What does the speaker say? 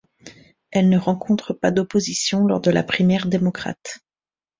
Elle ne rencontre pas d'opposition lors de la primaire démocrate.